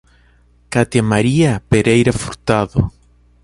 Catia Maria Pereira Furtado